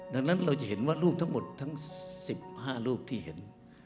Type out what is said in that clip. ดังนั้นเราจะเห็นว่ารูปทั้งหมดทั้ง๑๕รูปที่เห็น